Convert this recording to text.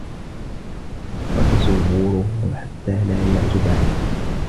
وَتَصَوُّرُهُ حَتَّى لَا يَعْزُبَ عَنْهُ